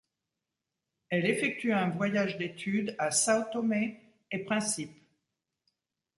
Elle effectue un voyage d'études à Sao Tomé-et-Principe.